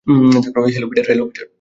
Hello, Peter.